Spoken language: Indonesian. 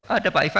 ada pak ivan